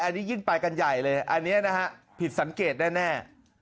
อันนี้ยิ่งไปกันใหญ่เลยอันนี้นะฮะผิดสังเกตแน่